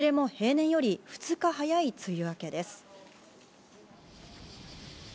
いずれも平年より２日早い梅雨明けです。